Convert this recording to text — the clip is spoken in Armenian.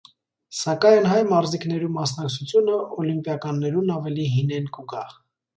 Սակայն հայ մարզիկներու մասնակցութիւնը ողիմպիականներուն աւելի հինէն կու գայ։